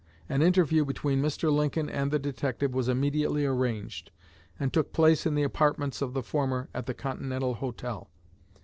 An interview between Mr. Lincoln and the detective was immediately arranged, and took place in the apartments of the former at the Continental Hotel.